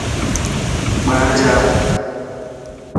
ٻاهر جا.